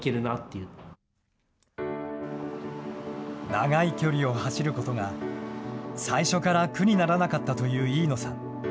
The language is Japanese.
長い距離を走ることが、最初から苦にならなかったという飯野さん。